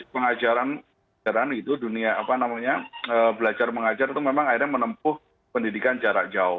pengajaran gitu dunia apa namanya belajar mengajar itu memang akhirnya menempuh pendidikan jarak jauh